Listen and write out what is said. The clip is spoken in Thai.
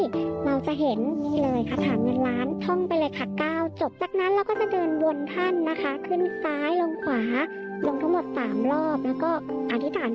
ก้าวจบจากนั้นเราก็จะเดินบนท่านนะคะ